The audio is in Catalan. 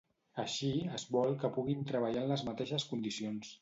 Així, es vol que puguin treballar en les mateixes condicions.